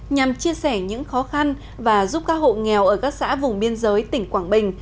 nhằm chia sẻ những khó khăn và giúp các hộ nghèo ở các xã vùng biên giới tỉnh quảng bình